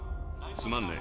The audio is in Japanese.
すまんね。